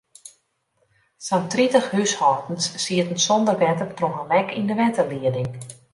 Sa'n tritich húshâldens sieten sonder wetter troch in lek yn de wetterlieding.